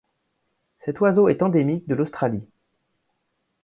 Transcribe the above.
Cet oiseau est endémique de l'Australie.